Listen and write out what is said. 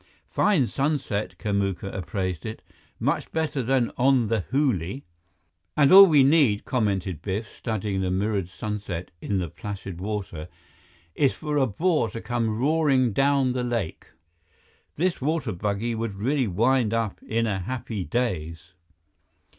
"Fine sunset," Kamuka appraised it. "Much better than on the Hooghly." "And all we need," commented Biff, studying the mirrored sunset in the placid water, "is for a bore to come roaring down the lake. This water buggy would really wind up in a happy daze."